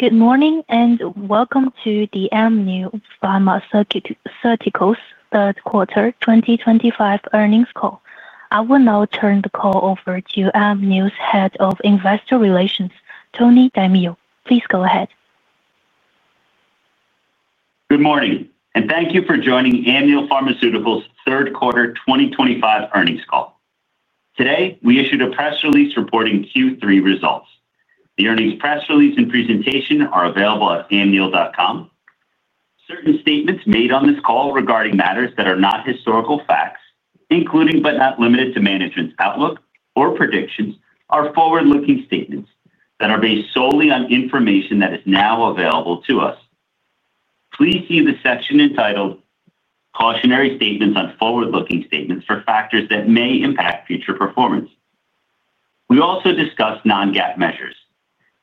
Good morning and welcome to the Amneal Pharmaceuticals third quarter 2025 earnings call. I will now turn the call over to Amneal's Head of Investor Relations, Tony DiMeo. Please go ahead. Good morning and thank you for joining Amneal Pharmaceuticals third quarter 2025 earnings call. Today we issued a press release reporting Q3 results. The earnings press release and presentation are available at amneal.com. Certain statements made on this call regarding matters that are not historical facts, including but not limited to management's outlook or predictions, are forward-looking statements that are based solely on information that is now available to us. Please see the section entitled Cautionary Statements on Forward-Looking Statements for factors that may impact future performance. We also discussed non-GAAP measures.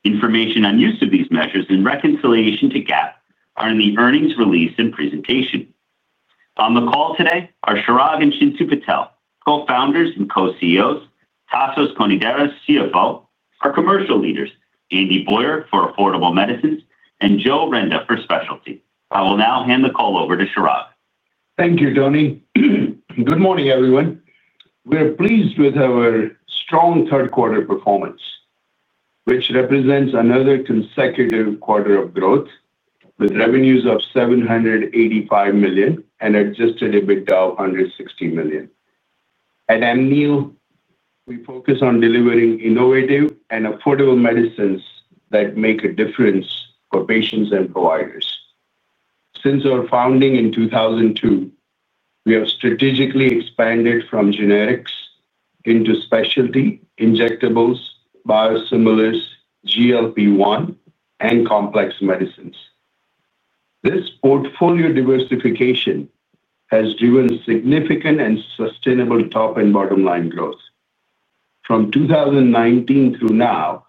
Information on use of these measures and reconciliation to GAAP are in the earnings release and presentation. On the call today are Chirag and Chintu Patel, Co-Founders and Co-CEOs, Anastasios (Tasos) Konidaris, CFO, our commercial leaders Andy Boyer for Affordable Medicines and Joe Renda for Specialty. I will now hand the call over to Chirag. Thank you, Tony. Good morning, everyone. We are pleased with our strong third quarter performance, which represents another consecutive quarter of growth with revenues of $785 million and adjusted EBITDA of $160 million. At Amneal, we focus on delivering innovative and affordable medicines that make a difference for patients and providers. Since our founding in 2002, we have strategically expanded from generics into specialty injectables, biosimilars, GLP-1s, and complex medicines. This portfolio diversification has driven significant and sustainable top and bottom line growth. From 2019 through now,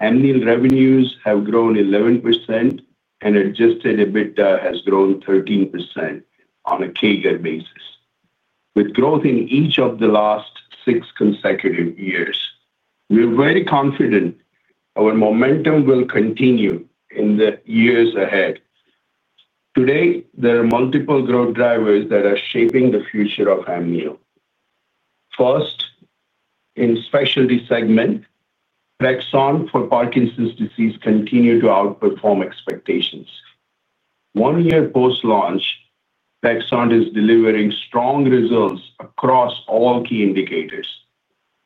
Amneal revenues have grown 11% and adjusted EBITDA has grown 13% on a CAGR basis. With growth in each of the last six consecutive years, we're very confident our momentum will continue in the years ahead. Today, there are multiple growth drivers that are shaping the future of Amneal. First, in the specialty segment, our products for Parkinson's disease continue to outperform expectations. One year post launch, Crexant is delivering strong results across all key indicators.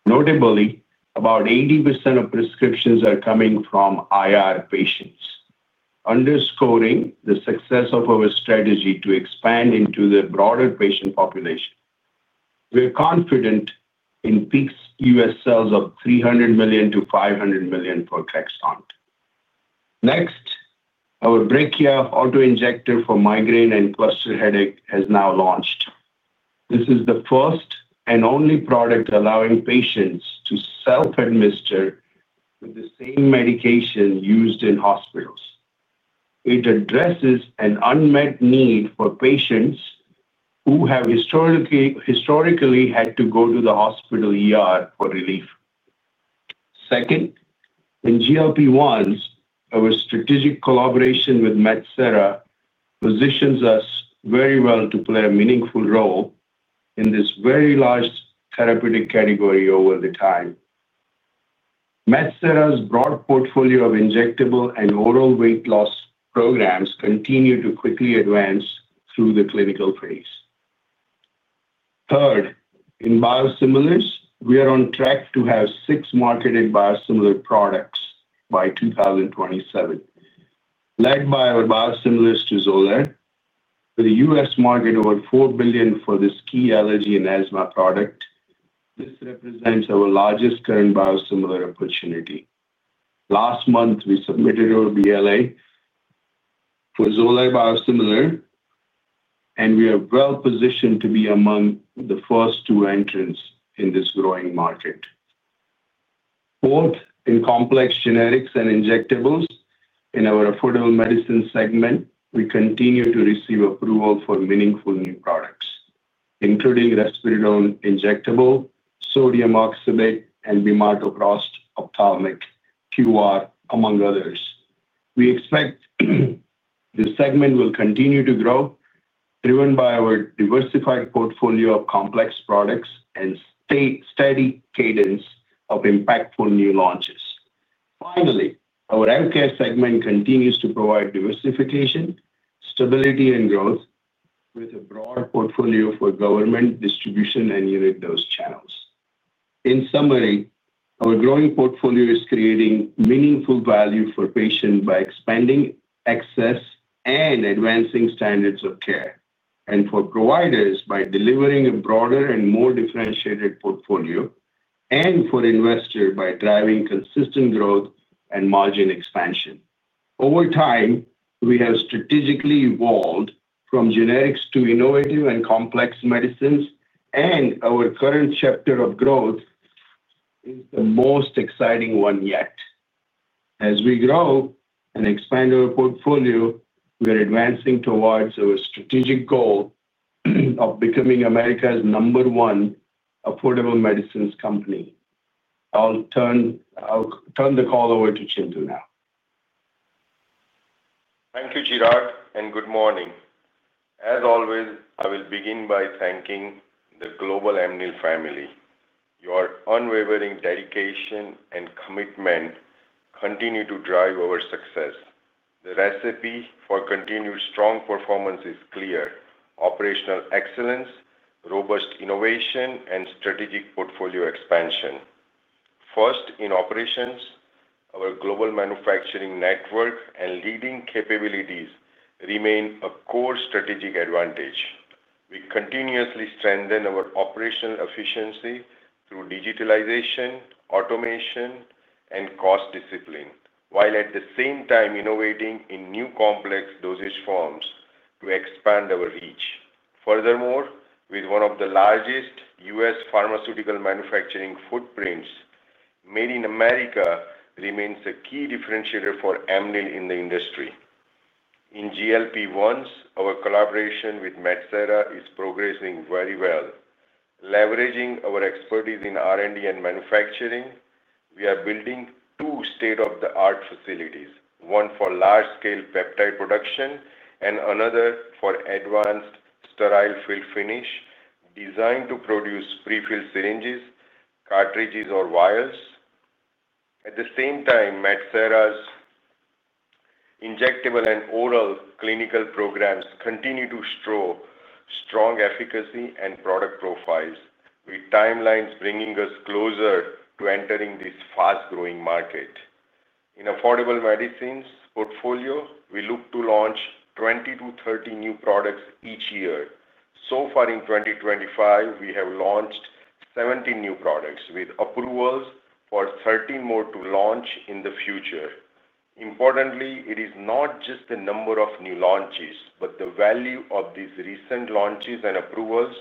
Notably, about 80% of prescriptions are coming from IR patients, underscoring the success of our strategy to expand into the broader patient population. We are confident in peak U.S. sales of $300 million-$500 million for Crexant. Next, our Brachia autoinjector for migraine and cluster headache has now launched. This is the first and only product allowing patients to self-administer with the same medication used in hospitals. It addresses an unmet need for patients who have historically had to go to the hospital ER for relief. Second, in GLP-1s, our strategic collaboration with Metsera positions us very well to play a meaningful role in this very large therapeutic category. Over time, Medsera's broad portfolio of injectable and oral weight loss programs continues to quickly advance through the clinical phase. Third, in biosimilars, we are on track to have six marketed biosimilar products by 2027, led by our biosimilar to Xolair. With the U.S. market over $4 billion for this key allergy and asthma product, this represents our largest current biosimilar opportunity. Last month, we submitted our BLA for biosimilar Xolair, and we are well positioned to be among the first two entrants in this growing market. Both in complex generics and injectables, in our Affordable Medicines segment, we continue to receive approval for meaningful new products, including risperidone injectable, sodium oxybate, and bimatoprost ophthalmic QR, among others. We expect this segment will continue to grow, driven by our diversified portfolio of complex products and steady cadence of impactful new launches. Finally, our APCare segment continues to provide diversification, stability, and growth with a broad portfolio for government distribution and unit dose channels. In summary, our growing portfolio is creating meaningful value for patients by expanding access and advancing standards of care, and for providers by delivering a broader and more differentiated portfolio, and for investors by driving consistent growth and margin expansion over time. We have strategically evolved from generics to innovative and complex medicines, and our current chapter of growth is the most exciting one yet. As we grow and expand our portfolio, we are advancing towards our strategic goal of becoming America's number one affordable medicines company. I'll turn the call over to Chintu now. Thank you Chirag and good morning. As always, I will begin by thanking the global Amneal family. Your unwavering dedication and commitment continue to drive our success. The recipe for continued strong performance is clear: operational excellence, robust innovation, and strategic portfolio expansion. First, in operations, our global manufacturing network and leading capabilities remain a core strategic advantage. We continuously strengthen our operational efficiency through digitalization, automation, and cost discipline, while at the same time innovating in new complex dosage forms to expand our reach. Furthermore, with one of the largest U.S. pharmaceutical manufacturing footprints, Made in America remains a key differentiator for Amneal in the industry. In GLP-1s, our collaboration with Medsera is progressing very well. Leveraging our expertise in R&D and manufacturing, we are building two state-of-the-art facilities, one for large-scale peptide production and another for advanced sterile fill-finish designed to produce pre-filled syringes, cartridges, or vials. At the same time, Medsera's injectable and oral clinical programs continue to show strong efficacy and product profiles, with timelines bringing us closer to entering this fast-growing market. In the Affordable Medicines portfolio, we look to launch 20-30 new products each year. So far in 2024, we have launched 17 new products, with approvals for 13 more to launch in the future. Importantly, it is not just the number of new launches but the value of these recent launches and approvals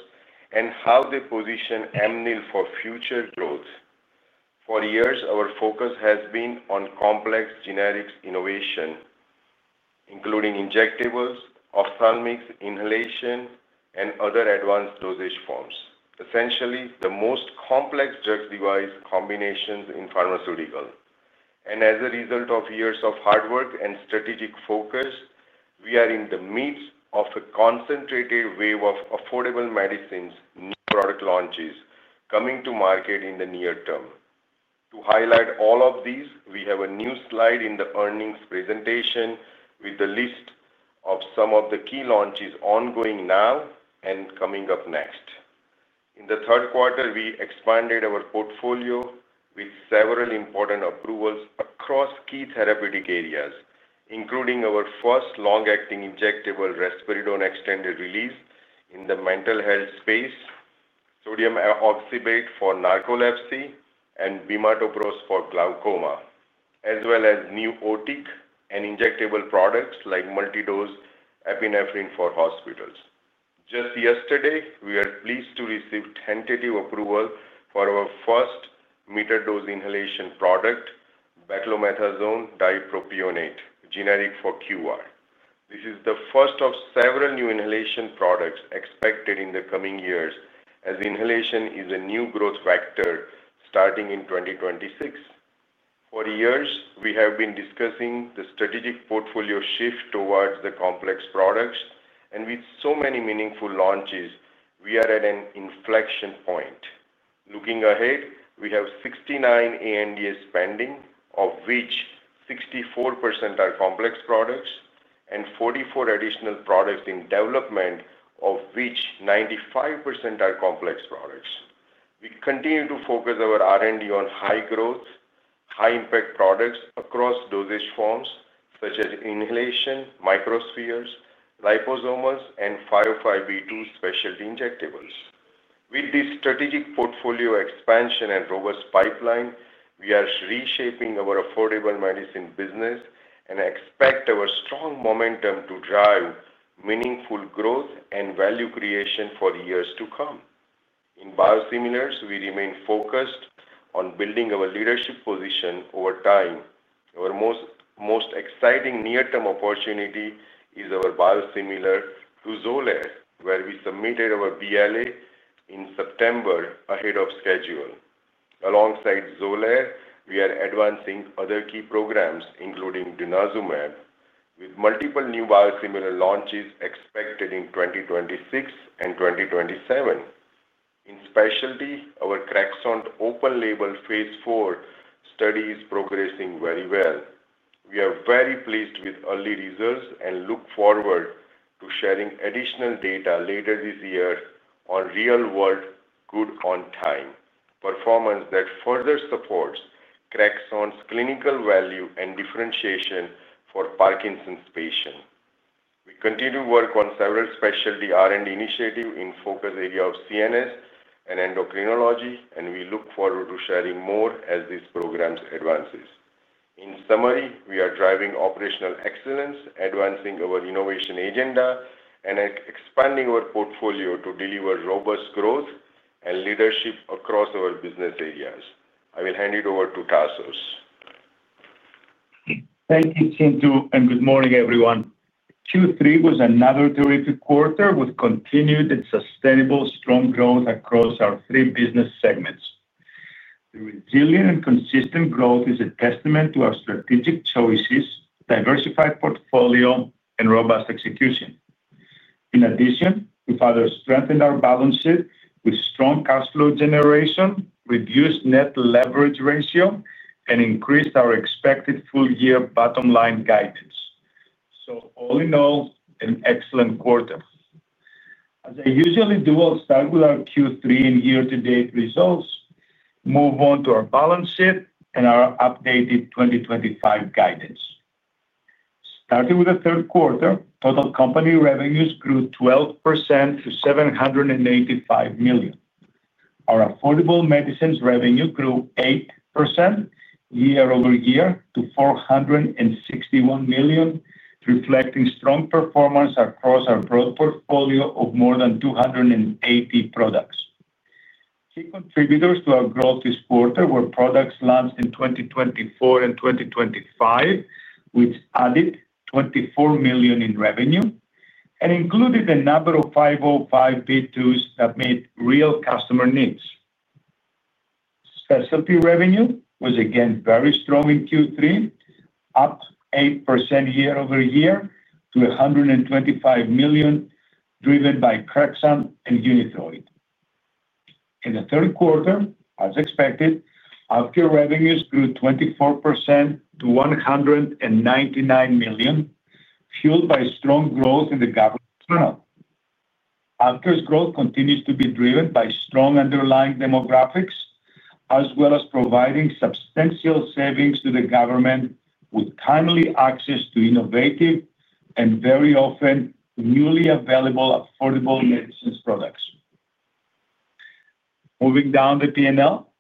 and how they position Amneal for future growth. For years, our focus has been on complex generic innovation, including injectables, ophthalmics, inhalation, and other advanced dosage forms, essentially the most complex drug-device combinations in pharmaceuticals. As a result of years of hard work and strategic focus, we are in the midst of a concentrated wave of Affordable Medicines new product launches coming to market in the near term. To highlight all of these, we have a new slide in the earnings presentation with the list of some of the key launches ongoing now and coming up next. In the third quarter we expanded our portfolio with several important approvals across key therapeutic areas including our first long-acting injectable Risperidone extended-release in the mental health space, Sodium Oxybate for narcolepsy, and Bimatoprost for glaucoma, as well as new otic and injectable products like multi-dose epinephrine for hospitals. Just yesterday we were pleased to receive tentative approval for our first metered dose inhalation product, Beclomethasone Dipropionate, generic for QVAR. This is the first of several new inhalation products expected in the coming years as inhalation is a new growth factor starting in 2026. For years we have been discussing the strategic portfolio shift towards complex products and with so many meaningful launches we are at an inflection point. Looking ahead, we have 69 ANDAs pending, of which 64% are complex products, and 44 additional products in development, of which 95% are complex products. We continue to focus our R&D on high-growth, high-impact products across dosage forms such as inhalation, microspheres, liposomes, and 505(b)(2) specialty injectables. With this strategic portfolio expansion and robust pipeline, we are reshaping our Affordable Medicines business and expect our strong momentum to drive meaningful growth and value creation for years to come. In biosimilars, we remain focused on building our leadership position over time. Our most exciting near-term opportunity is our biosimilar to Xolair, where we submitted our BLA in September ahead of schedule. Alongside Xolair, we are advancing other key programs including denosumab, with multiple new biosimilar launches expected in 2026 and 2027. In Specialty, our Crexant open-label phase four study is progressing very well. We are very pleased with early results and look forward to sharing additional data later this year on real-world good on-time performance that further supports Crexant's clinical value and differentiation for Parkinson's patients. We continue to work on several Specialty R&D initiatives in focus areas of CNS and Endocrinology and we look forward to sharing more as these programs advance. In summary, we are driving operational excellence, advancing our innovation agenda, and expanding our portfolio to deliver robust growth and leadership across our business areas. I will hand it over to Tasos. Thank you, Chintu, and good morning, everyone. Q3 was another terrific quarter with continued and sustainable strong growth across our three business segments. The resilient and consistent growth is a testament to our strategic choices, diversified portfolio, and robust execution. In addition, we further strengthened our balance sheet with strong cash flow generation, reduced net leverage ratio, and increased our expected full year bottom line guidance. All in all, an excellent quarter. As I usually do, I'll start with our Q3 and year to date results, move on to our balance sheet, and our updated 2025 guidance. Starting with the third quarter, total company revenues grew 12% to $785 million. Our Affordable Medicines revenue grew 8% year over year to $461 million, reflecting strong performance across our broad portfolio of more than 280 products. Key contributors to our growth this quarter were products launched in 2024 and 2025, which added $24 million in revenue and included a number of 505(b)(2)s that meet real customer needs. Specialty revenue was again very strong in Q3, up 8% year-over-year to $125 million, driven by Crexant and Unithroid. In the third quarter, as expected, APCare revenues grew 24% to $199 million, fueled by strong growth in the government channel. APCare's growth continues to be driven by strong underlying demographics as well as providing substantial savings to the government with timely access to innovative and very often newly available Affordable Medicines products. Moving down the P&L,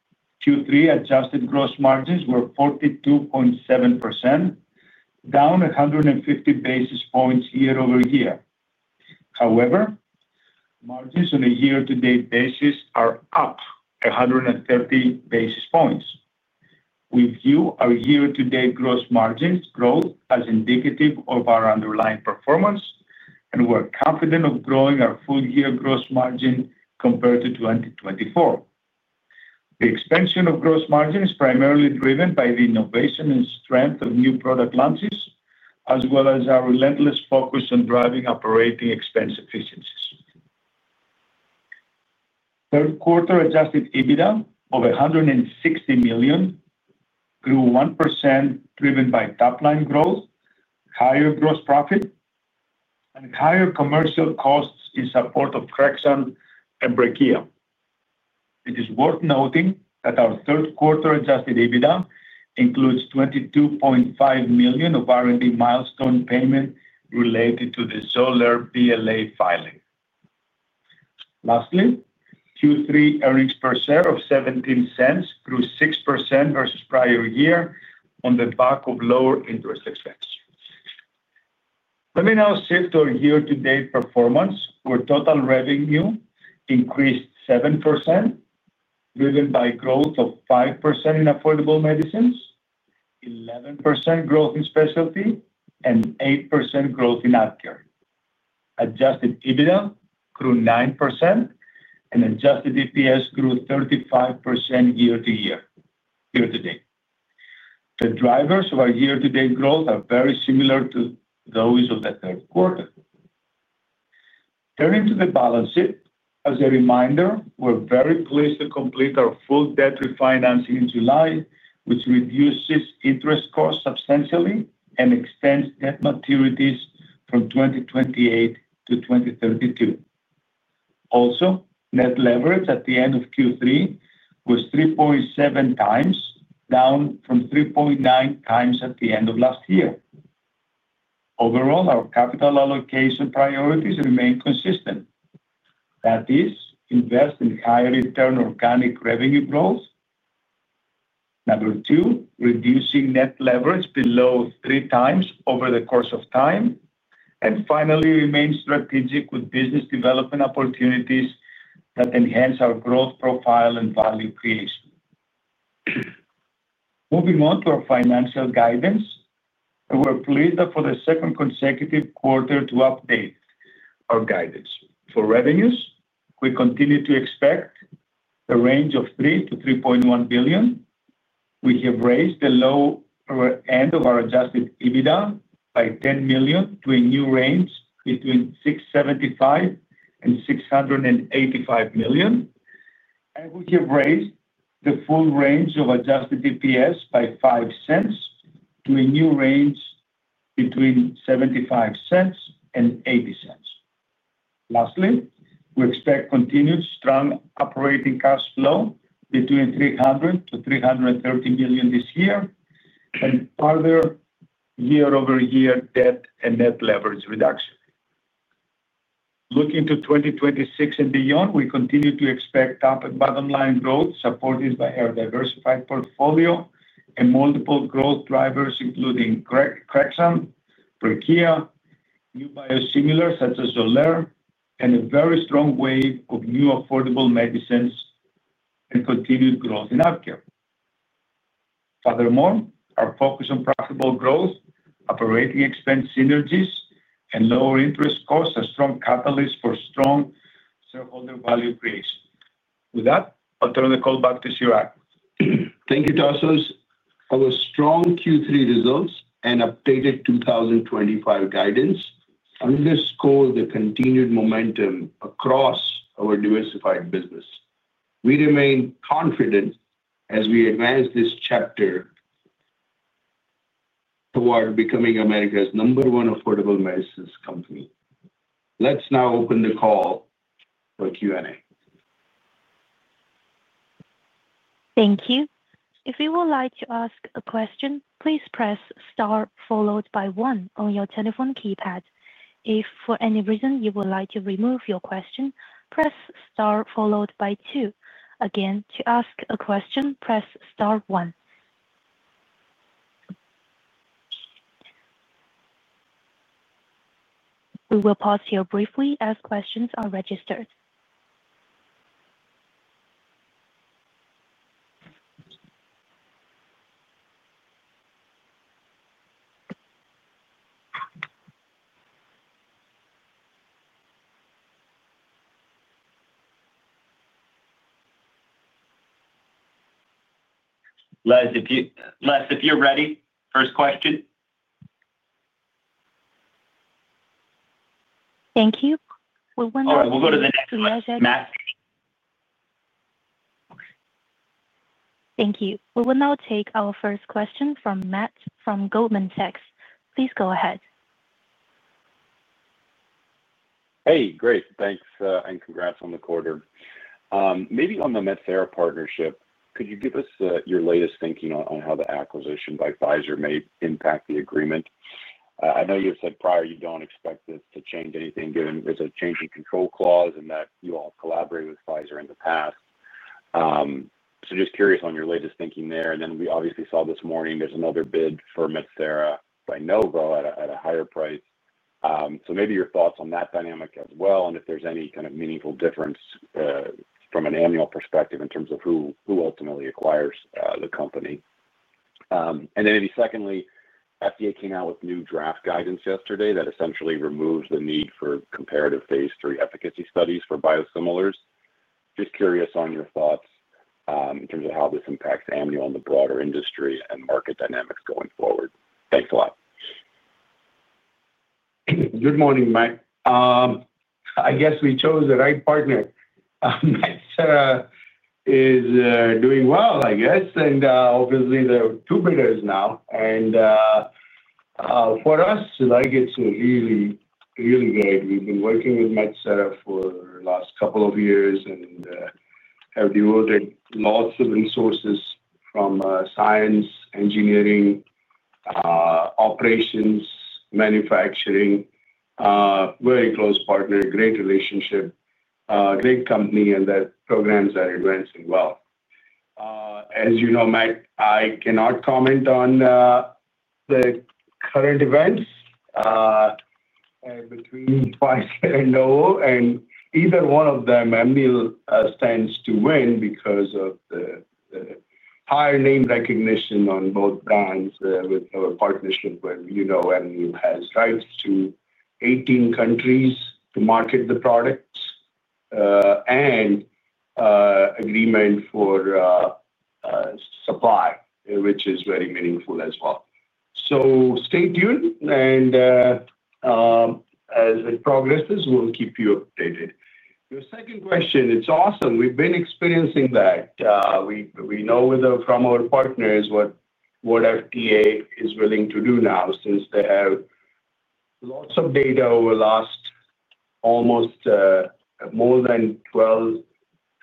Q3 adjusted gross margins were 42.7%, down 150 basis points year-over-year. However, margins on a year-to-date basis are up 130 basis points. We view our year-to-date gross margins growth as indicative of our underlying performance, and we're confident of growing our full year gross margin compared to 2024. The expansion of gross margin is primarily driven by the innovation and strength of new product launches as well as our relentless focus on driving operating expense efficiencies. Third quarter adjusted EBITDA of $160 million grew 1%, driven by top line growth, higher gross profit, and higher commercial costs in support of Crexant and Brachia. It is worth noting that our third quarter adjusted EBITDA includes $22.5 million of R&D milestone payment related to the Xolair BLA filing. Lastly, Q3 earnings per share of $0.17 grew 6% versus prior year on the back of lower interest expense. Let me now shift our year to date performance where total revenue increased 7% driven by growth of 5% in Affordable Medicines, 11% growth in Specialty, and 8% growth in APCare. Adjusted EBITDA grew 9% and adjusted EPS grew 35% year-to-year. The drivers of our year-to-date growth are very similar to those of the third quarter. Turning to the balance sheet, as a reminder, we're very pleased to complete our full debt refinancing in July, which reduces interest costs substantially and extends debt maturities from 2028 to 2032. Also, net leverage at the end of Q3 was 3.7 times, down from 3.9 times at the end of last year. Overall, our capital allocation priorities remain consistent, i.e., invest in higher return organic revenue growth, number two, reducing net leverage below three times over the course of time, and finally remain strategic with business development opportunities that enhance our growth profile and value creation. Moving on to our financial guidance, we're pleased for the second consecutive quarter to update our guidance. For revenues, we continue to expect a range of $3 billion-$3.1 billion. We have raised the low end of our adjusted EBITDA by $10 million to a new range between $675 million and $685 million, and we have raised the full range of adjusted EPS by $0.05 to a new range between $0.75 and $0.80. Lastly, we expect continued strong operating cash flow between $300 million-$330 million this year and further year-over-year debt and net leverage reduction. Looking to 2026 and beyond, we continue to expect top and bottom line growth supported by our diversified portfolio and multiple growth drivers including Crexant, Brachia, new biosimilars such as biosimilar Xolair, and a very strong wave of new Affordable Medicines and continued growth in APCare. Furthermore, our focus on profitable growth, operating expense synergies, and lower interest costs are strong catalysts for strong shareholder value creation. With that, I'll turn the call back to Chirag. Thank you, Tasos. Our strong Q3 results and updated 2025 guidance underscore the continued momentum across our diversified business. We remain confident as we advance this chapter toward becoming America's number one affordable medicines company. Let's now open the call for Q and A. Thank you. If you would like to ask a question, please press star followed by one on your telephone keypad. If for any reason you would like to remove your question, press star followed by two again. To ask a question, press star one. We will pause here briefly as questions are registered. Les, if you're ready, first question. Thank you. All right, we'll go to the next. Thank you. We will now take our first question from Matt from Goldman Sachs. Tasos, please go ahead. Hey, great, thanks. Congrats on the quarter, maybe on the Metsera partnership. Could you give us your latest thinking on how the acquisition by Pfizer may impact the agreement? I know you said prior you don't expect this to change anything, given there's a change in control clause and that you all collaborated with Pfizer in the past. Just curious on your latest thinking there. We obviously saw this morning there's another bid for Medsera by Novo Nordisk at a higher price. Maybe your thoughts on that dynamic as well, and if there's any kind of meaningful difference from an Amneal perspective in terms of who ultimately acquires the company. Secondly, FDA came out with new draft guidance yesterday that essentially removes the need for comparative phase three efficacy studies for biosimilars. Just curious on your thoughts in terms of how this impacts Amneal and the broader industry and market dynamics going forward. Thanks a lot. Good morning, Matt. I guess we chose the right partner, is doing well, I guess. Obviously there are two bidders now and for us, it's really, really great. We've been working with Medsera for the last couple of years and have devoted lots of resources from science, engineering, operations, manufacturing, very close partner, great relationship, great company, and the programs are advancing well. As you know, Matt, I cannot comment on the current events between Pfizer and Novo Nordisk and either one of them. Amneal stands to win because of the higher name recognition on both brands. With our partnership, Amneal has rights to 18 countries to market the products and agreement for supply, which is very meaningful as well. Stay tuned as it progresses. We'll keep you updated. Your second question. It's awesome. We've been experiencing that. We know whether from our partners what FDA is willing to do now since they have lots of data over the last almost more than 12,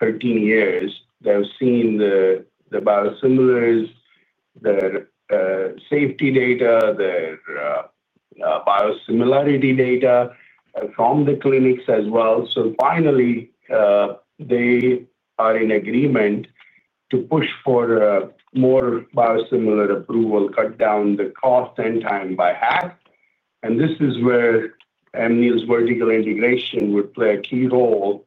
13 years, they've seen the biosimilars, the safety data, the biosimilarity data from the clinics as well. Finally, they are in agreement to push for more biosimilar approval, cut down the cost and time by half. This is where vertical integration would play a key role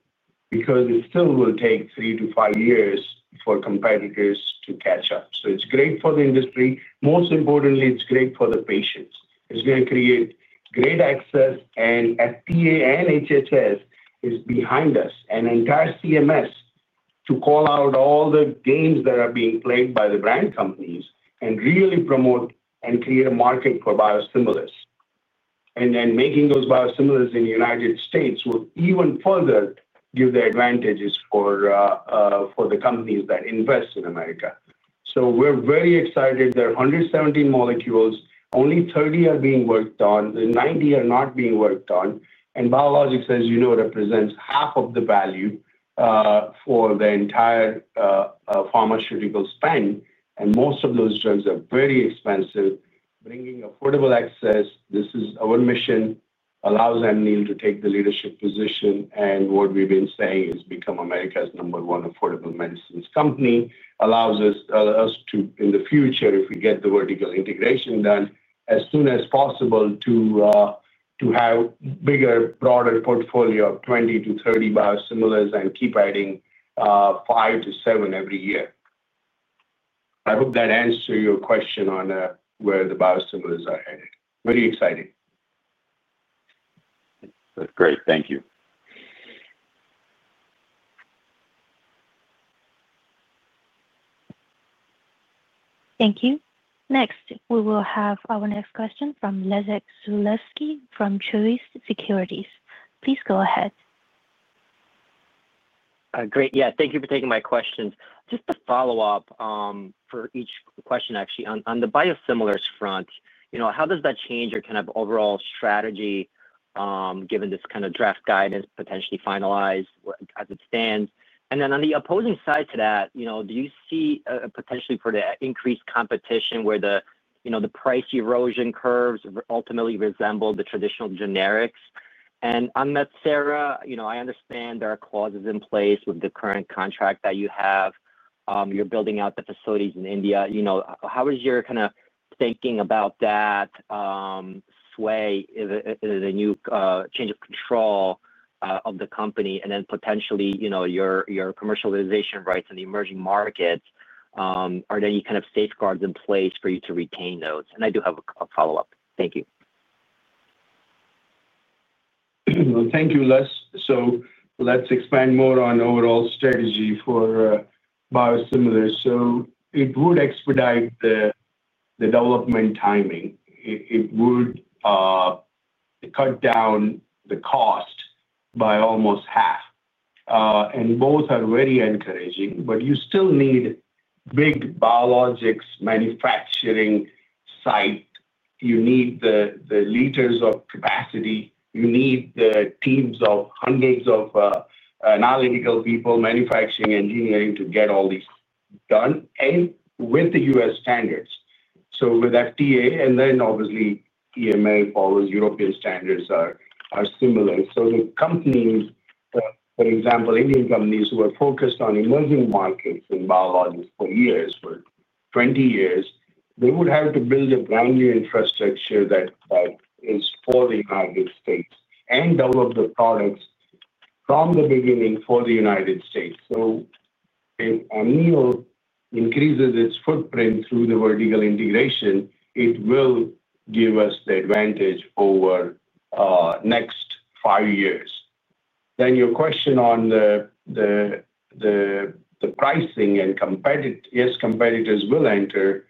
because it still will take three to five years for competitors to catch up. It's great for the industry. Most importantly, it's great for the patients. It's going to create great access. FDA and HHS are behind us, and the entire CMS to call out all the games that are being played by the brand companies and really promote and create a market for biosimilars. Making those biosimilars in the U.S. will even further give the advantages for the companies that invest in America. We're very excited. There are 117 molecules. Only 30 are being worked on, 90 are not being worked on. Biologics, as you know, represents half of the value for the entire pharmaceutical spend. Most of those drugs are very expensive. Bringing affordable access, this is our mission, allows us to take the leadership position. What we've been saying is become America's number one affordable medicines company. It allows us to, in the future, if we get the vertical integration done as soon as possible, have a bigger, broader portfolio of 20-30 biosimilars and keep adding 5-7 every year. I hope that answers your question on where the biosimilars are headed. Very exciting. Great, thank you. Thank you. Next we will have our next question from Les Sulewski from Truist Securities. Please go ahead. Great. Yeah, thank you for taking my questions. Just a follow up for each question. Actually on the biosimilars front, how does that change your kind of overall strategy given this kind of FDA draft guidance, potentially finalized as it stands? On the opposing side to that, do you see potentially for the increased competition where the price erosion curves ultimately resemble the traditional generics? On that, I understand there are clauses in place with the current contract that you have. You're building out the facilities in India. How is your kind of thinking about that sway the new change of control of the company and then potentially your commercialization rights in the emerging markets? Are there any kind of safeguards in place for you to retain those? I do have a follow up. Thank you. Thank you, Les. Let's expand more on overall strategy for biosimilars. It would expedite the development timing, it would cut down the cost by almost half, and both are very encouraging. You still need big biologics manufacturing site, you need the liters of capacity, you need the teams of hundreds of nonlinear people manufacturing engineering to get all these done, and with the U.S. standards, with FDA and then obviously EMA follows. European standards are similar. The companies, for example Indian companies who are focused on emerging markets and biologics for years, for 20 years, they would have to build a brand new infrastructure that is for the United States and develop the products from the beginning for the United States. If Amneal increases its footprint through the vertical integration, it will give us the advantage over next five years. Your question on the pricing, and yes, competitors will enter,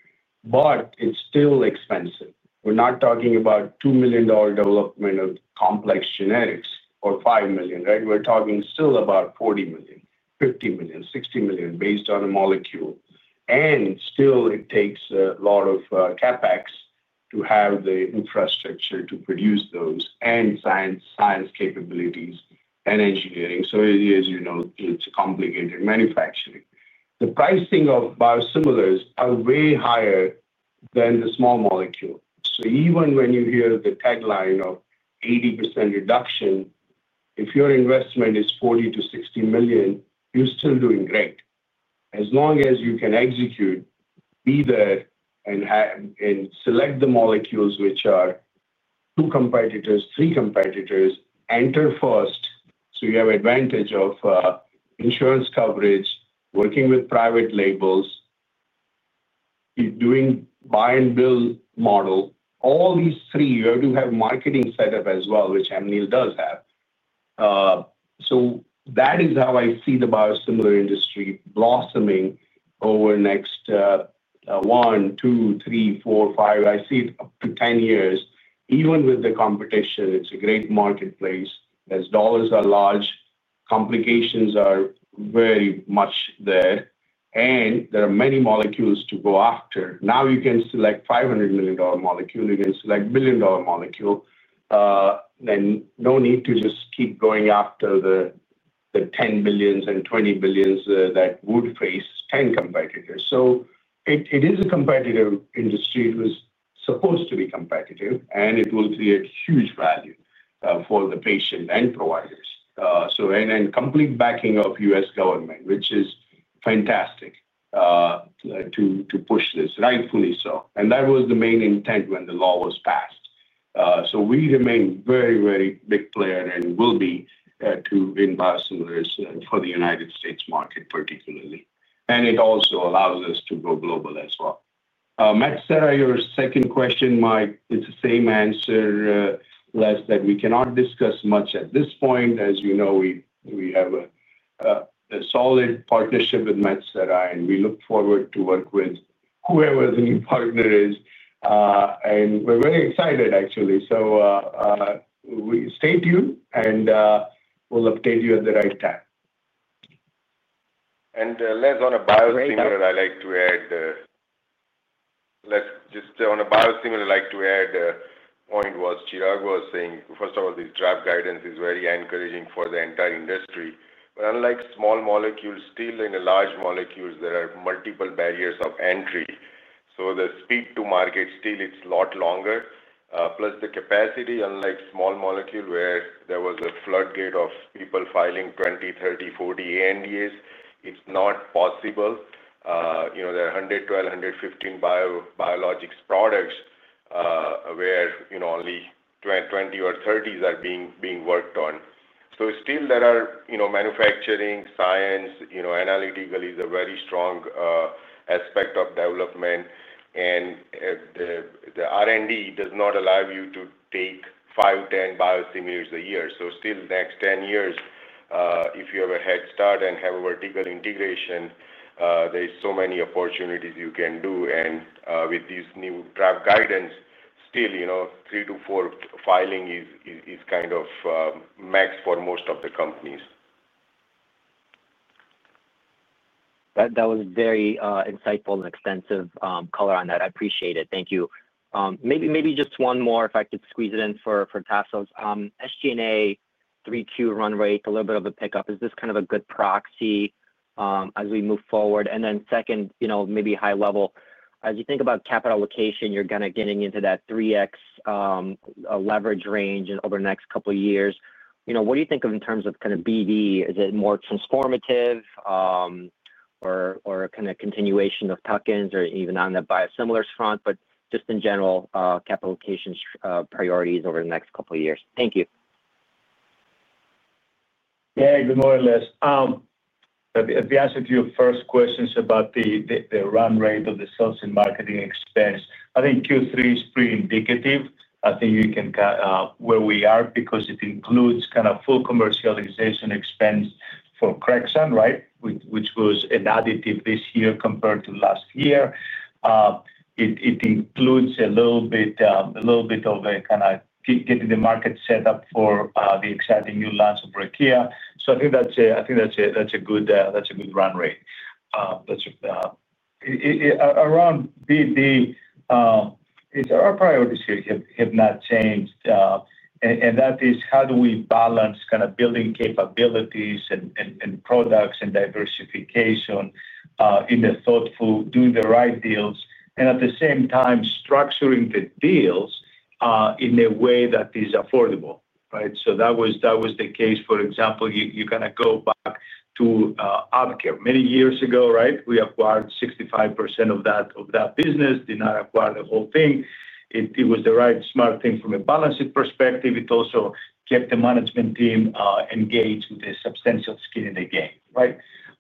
but it's still expensive. We're not talking about $2 million development of complex generics or $5 million. Right. We're talking still about $40 million, $50 million, $60 million based on a molecule. It takes a lot of CapEx to have the infrastructure to produce those and science, science capabilities and engineering. It is, you know, it's complicated manufacturing. The pricing of biosimilars are way higher than the small molecule. Even when you hear the tagline of 80% reduction, if your investment is $40 million-$60 million, you're still doing great as long as you can execute either and have and select the molecules which are two competitors, three competitors enter first. You have advantage of insurance coverage, working with private labels, doing buy and build model. All these three, you have to have marketing setup as well, which Amneal does have. That is how I see the biosimilar industry blossoming over next 1, 2, 3, 4, 5. I see it up to 10 years. Even with the competition, it's a great marketplace. As dollars are large, complications are very much there and there are many molecules to go after. Now you can select $500 million molecule, you can select billion dollar molecule. No need to just keep going after the $10 billion and $20 billion that would face 10 competitors. It is a competitive industry. It was supposed to be competitive. It will create huge value for the patient and providers and complete backing of U.S. government, which is fantastic to push this rightfully so. That was the main intent when the law was passed. We remain very, very big player and will be in biosimilars for the United States market particularly. It also allows us to go global as well. Medsera, your second question, Mike. It's the same answer less that we cannot discuss much at this point. As you know we have a solid partnership with Metsera and we look forward to work with whoever the new partner is and we're very excited actually. Stay tuned and will update you at the right time. On a biosimilar, I like to add, let's just, on a biosimilar, like to add, point was Chirag was saying, first of all, this draft guidance is very encouraging for the entire industry. Unlike small molecules, still in large molecules there are multiple barriers of entry. The speed to market still, it's a lot longer, plus the capacity. Unlike small molecule where there was a floodgate of people filing 20, 30, 40 ANDAs, it's not possible. You know, there are 112, 115 biologics products where you know only 20 or 30 are being worked on. Still, there are, you know, manufacturing science, you know, analytical is a very strong aspect of development, and the R&D does not allow you to take 5, 10 biosimilars a year. Still, next 10 years, if you have a head start and have a vertical integration, there's so many opportunities you can do. With these new guidance, still, you know, three to four filing is kind of max for most of the companies. That was very insightful and extensive color on that. I appreciate it. Thank you. Maybe just one more if I could squeeze it in for Tasos. SG&A Q3 run rate, a little bit of a pickup. Is this kind of a good proxy as we move forward? Then second, maybe high level, as you think about capital allocation, you're kind of getting into that 3x leverage range over the next couple of years. What do you think of in terms of kind of BD? Is it more transformative or kind of continuation of tuck-ins, or even on the biosimilars front, but just in general, capital allocation priorities over the next couple of years? Thank you. Yeah, good. More or less the answer to your first question is about the run rate of the sales and marketing expense. I think Q3 is pretty indicative. I think you can see where we are because it includes kind of full commercialization expense for Crexant, which was an additive this year compared to last year. It includes a little bit of a kind of getting the market set up for the exciting new launch of Rytary. I think that's a good run rate. Around. Our priorities here have not changed, and that is how do we balance kind of building capabilities and products and diversification in the thoughtful doing the right deals, and at the same time structuring the deals in a way that is affordable. That was the case. For example, you kind of go back to APCare many years ago, we acquired 65% of that business, did not acquire the whole thing. It was the right smart thing from a balance sheet perspective. It also kept the management team engaged with a substantial skin in the game. Right.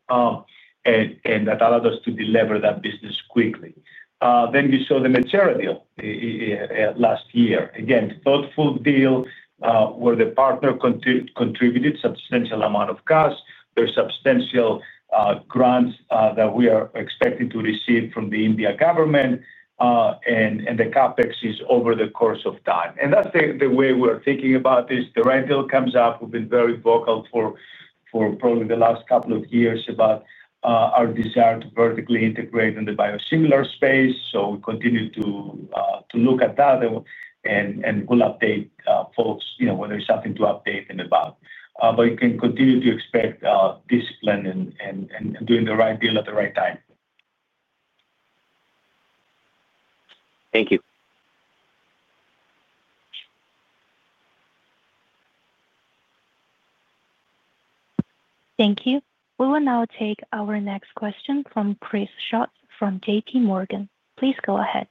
That allowed us to deliver that business quickly. You saw the Medsera deal last year, again, thoughtful deal where the partner contributed substantial amount of cash. There are substantial grants that we are expected to receive from the India government, and the CapEx is over the course of time, and that's the way we're thinking about this. The rental comes up. We have been very vocal for probably the last couple of years about our desire to vertically integrate in the biosimilar space. We continue to look at that, and we'll update folks when there's something to update about. You can continue to expect discipline and doing the right deal at the right time. Thank you. Thank you. We will now take our next question from Chris Schott from JPMorgan. Please go ahead.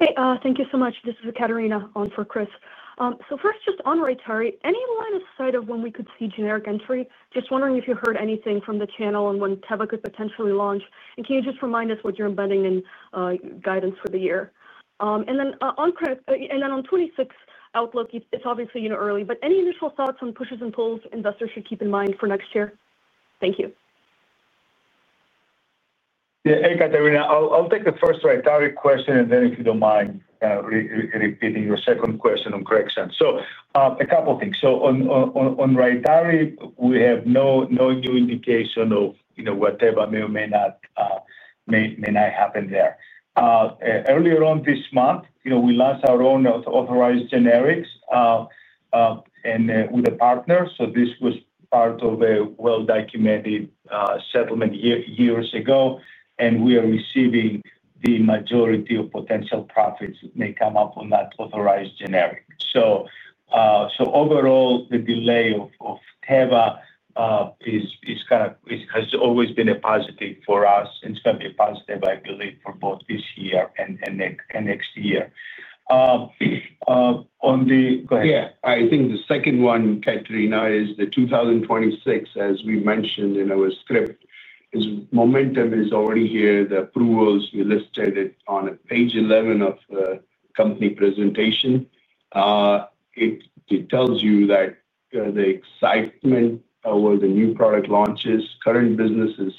Hey, thank you so much. This is Ekaterina on for Chris. So first just on Rytary, any line of thought of when we could see generic entry. Just wondering if you heard anything from the channel and when Teva could potentially launch and can you just remind us what you're embedding in guidance for the year and then on Crexant and then on 2026 outlook. It's obviously, you know, early but any initial thoughts on pushes and pulls investors should keep in mind for next year. Thank you. Hey Ekaterina, I'll take the first Rytary question and then if you don't mind. Repeating your second question on correction. A couple things. On Rytary, we have no new indication of whatever may or may not happen there. Earlier on this month, we lost our own authorized generics with a partner. This was part of a well-documented settlement years ago, and we are receiving the majority of potential profits that may come up on that authorized generic. Overall, the delay of Teva. Has always been a positive for us, and it's going to be positive, I believe, for both this year and next year on the go ahead. Yeah, I think the second one, Ekaterina, is the 2026 as we mentioned in our script, momentum is already here. The approvals we listed on page 11 of company presentation, it tells you that the excitement with the new product launches. Current business is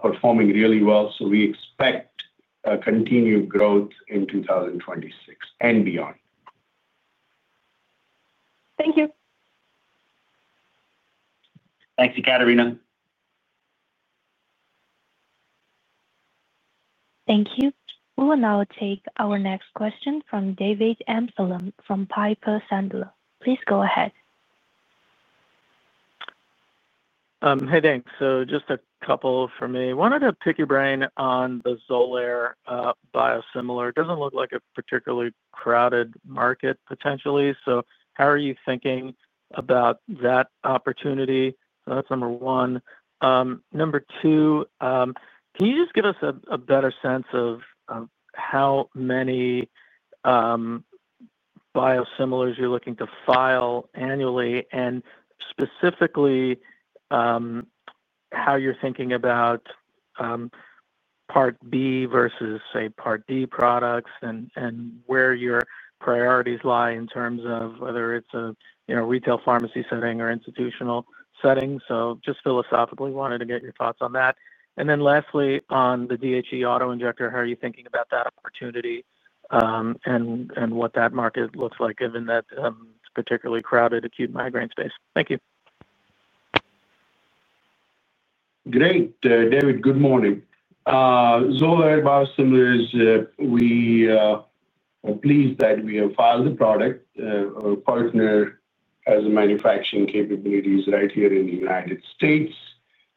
performing really well. We expect continued growth in 2026 and beyond. Thank you. Thank you, Ekaterina. Thank you. We will now take our next question from David Amsellem from Piper Sandler. Please go ahead. Hey. Just a couple for me. Wanted to pick your brain on the biosimilar Xolair. It doesn't look like a particularly crowded market potentially. How are you thinking about that opportunity? That's number one. Number two, can you just give us a better sense of how many biosimilars you're looking to file annually and specifically how you're thinking about Part B versus say Part D products and where your priorities lie in terms of whether it's a, you know, retail pharmacy setting or institutional setting. Just philosophically wanted to get your thoughts on that. Lastly, on the DHE autoinjector, how are you thinking about that opportunity and what that market looks like given that it's a particularly crowded acute migraine space. Thank you. Great, David. Good morning. Zollo Airbiosimilars. We are pleased that we have filed the product partner as a manufacturing capabilities right here in the U.S.,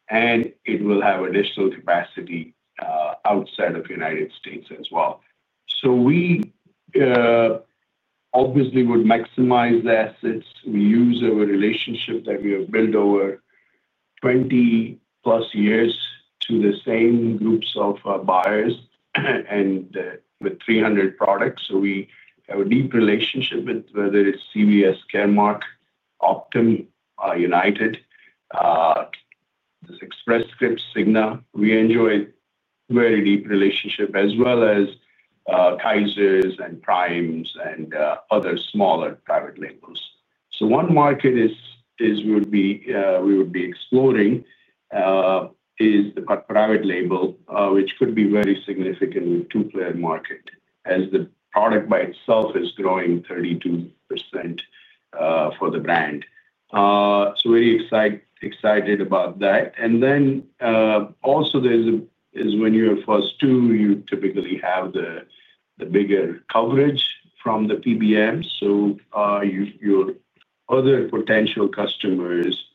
and it will have additional capacity outside of the United States as well. So we obviously would maximize the assets. We use our relationship that we have built over 20+ years to the same groups of buyers and with 300 products. We have a deep relationship with whether it's CVS, Caremark, Optum, United, Express Scripts, Cigna. We enjoy very deep relationship as well as Kaisers and Primes and other smaller private labels. One market we would be exploring is the private label, which could be very significant in a two-player market as the product by itself is growing 32% for the brand. Very excited about that. When you are first two, you typically have the bigger coverage from the PBM, so your other potential customers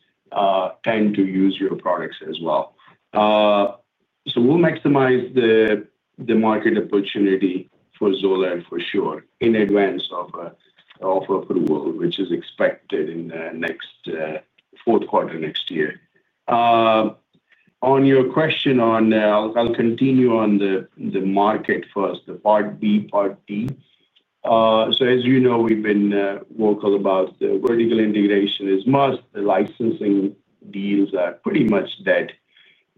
tend to use your products as well. We'll maximize the market opportunity for biosimilar ZOLED for sure in advance of approval, which is expected in the fourth quarter next year. On your question, I'll continue on the market, first the Part B part. As you know, we've been vocal about the vertical integration is must. The licensing deals are pretty much dead.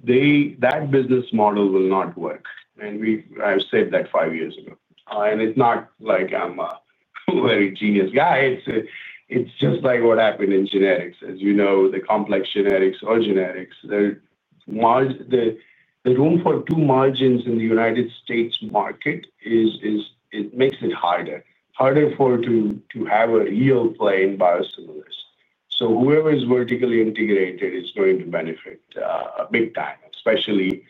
That business model will not work. I said that five years ago, and it's not like I'm a very genius guy. It's just like what happened in generics, as you know, the complex generics or generics. The room for margins in the U.S. market makes it harder for to have a real play in biosimilars. Whoever is vertically integrated is going to benefit big time, especially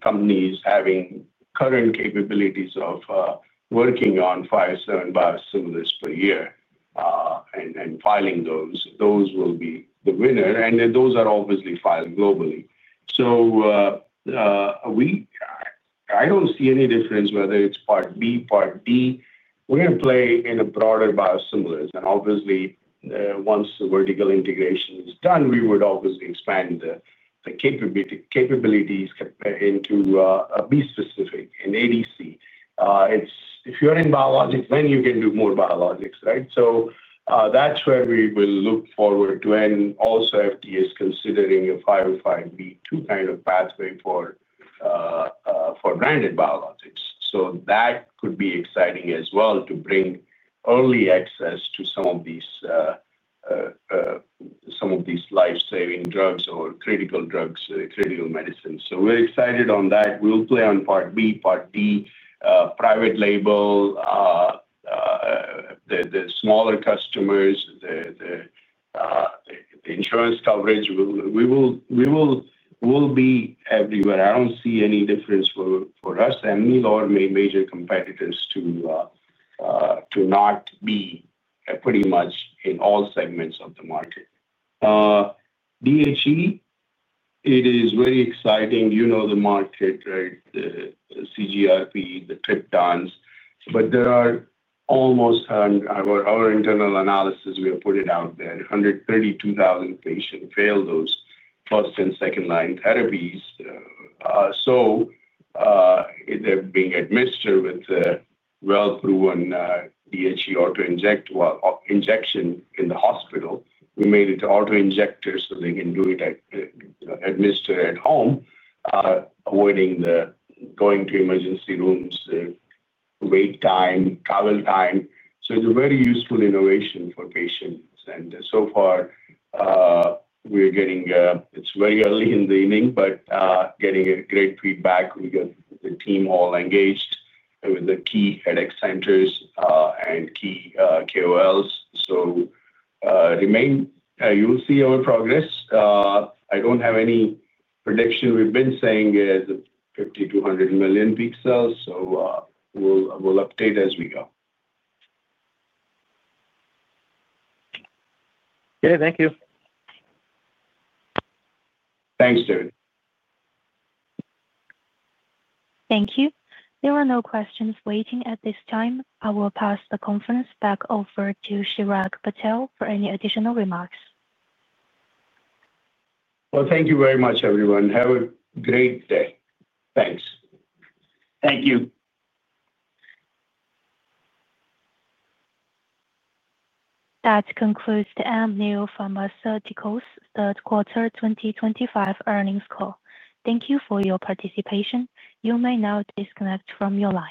companies having current capabilities of working on five to ten biosimilars per year and filing those. Those will be the winner, and those are obviously filed globally. I don't see any difference whether it's part B or part D. We're going to play in a broader biosimilars. Once the vertical integration is done, we would obviously expand the capabilities into B specific. In ADC, if you're in biologics, then you can do more biologics. Right. That's where we will look forward to. FDA is considering a 505(b)(2) kind of pathway for branded biologics. That could be exciting as well to bring early access to some of these life-saving drugs or critical drugs, critical medicines. We're excited on that. We'll play on Part B, Part D, private label, the smaller customers, the insurance coverage. We will be everywhere. I don't see any difference for us, and we'll all be major competitors to not be pretty much in all segments of the market. DHE is very exciting. You know the market, right? CGRP, the triptans, but there are almost, our internal analysis, we have put it out there, 132,000 patients fail those first and second line therapies. They're being administered with well-proven DHE autoinject injection in the hospital. We made it to auto injectors so they can do it at home, avoiding the going to emergency rooms, wait time, travel time. It's a very useful innovation for patients. So far, we're getting, it's very early in the evening, but getting great feedback. We get the team all engaged with the key headache centers and key KOLs. Remain, you will see our progress. I don't have any prediction. We've been saying it's $200 million pixels, so we'll update as we go. Okay. Thank you. Thanks David. Thank you. There are no questions waiting at this time. I will pass the conference back over to Chirag Patel for any additional remarks. Thank you very much everyone. Have a great day. That concludes the Amneal Pharmaceuticals third quarter 2025 earnings call. Thank you for your participation. You may now disconnect from your line.